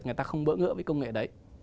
người ta không bỡ ngỡ với công nghệ đấy